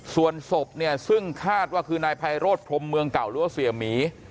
ส่วนศพเนี่ยซึ่งคาดว่าคือนายไพโรธพรมเมืองเก่าหรือว่าเสียหมี